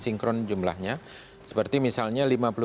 sinkron jumlahnya seperti misalnya